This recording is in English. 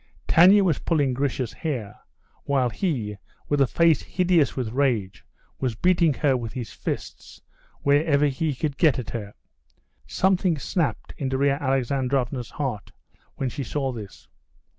Tanya was pulling Grisha's hair, while he, with a face hideous with rage, was beating her with his fists wherever he could get at her. Something snapped in Darya Alexandrovna's heart when she saw this.